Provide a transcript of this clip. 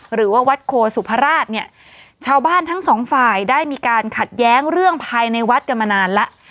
หรือว่าวัดโคสุพราชเนี่ยชาวบ้านทั้งสองฝ่ายได้มีการขัดแย้งเรื่องภายในวัดกันมานานแล้ว